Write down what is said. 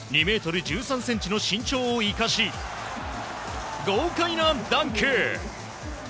２メートル１３センチの身長を生かし、豪快なダンク。